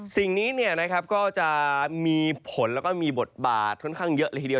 สิ่งนี้ก็จะมีผลแล้วก็มีบทบาทค่อนข้างเยอะเลยทีเดียว